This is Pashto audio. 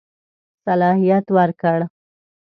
صلاحیت ورکړ.